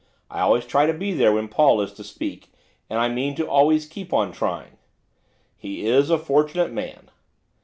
I always try to be there when Paul is to speak, and I mean to always keep on trying.' 'He is a fortunate man.